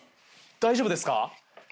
大丈夫ですか？